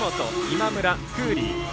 今村、クーリー。